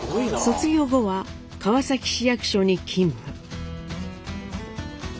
卒業後は川崎市役所に勤務。